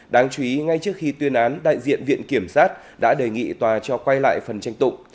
đáng chú ý ngay trước khi tuyên án đại diện viện kiểm sát đã đề nghị tòa cho quay lại phần tranh tụng